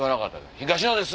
「東野です！」。